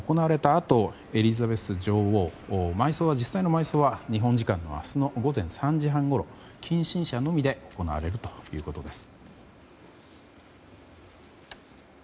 あとエリザベス女王の実際の埋葬は日本時間の明日の午前３時半ごろ近親者のみで行われるということです。